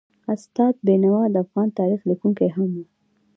استاد بینوا د افغان تاریخ لیکونکی هم و.